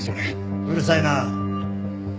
うるさいなあ。